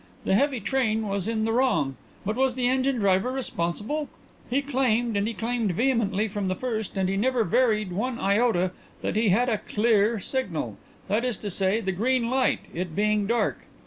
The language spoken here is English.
The heavy train was in the wrong. But was the engine driver responsible? He claimed, and he claimed vehemently from the first and he never varied one iota, that he had a 'clear' signal that is to say, the green light, it being dark.